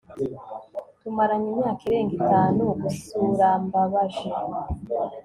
tumaranye imyaka irenga itanu Gusurambabaje